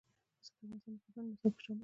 پسه د افغانستان د پوهنې نصاب کې شامل دي.